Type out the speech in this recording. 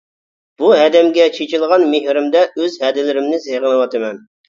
بۇ ھەدەمگە چېچىلغان مېھرىمدە ئۆز ھەدىلىرىمنى سېغىنىۋاتىمەن.